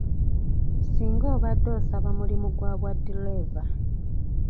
Singa obadde osaba mulimu gwa bwa ddereeva